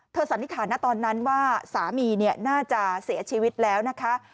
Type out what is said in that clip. สันนิษฐานนะตอนนั้นว่าสามีน่าจะเสียชีวิตแล้วนะคะ